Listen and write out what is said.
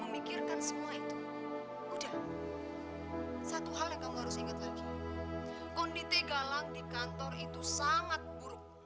memikirkan semua itu udah satu hal yang kamu harus ingat lagi kondisi galang di kantor itu sangat buruk